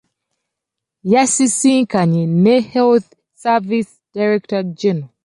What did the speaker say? Yasisinkanye ne health Services Director-General.